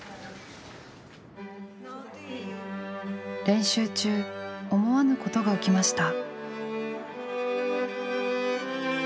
練習中思わぬことが起きました。